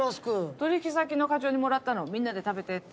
取引先の課長にもらったのみんなで食べてって。